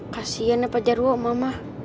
kasian ya pak jarwo mama